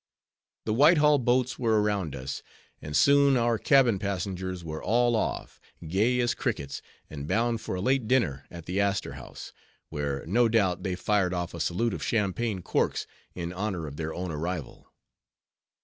The Whitehall boats were around us, and soon, our cabin passengers were all off, gay as crickets, and bound for a late dinner at the Astor House; where, no doubt, they fired off a salute of champagne corks in honor of their own arrival.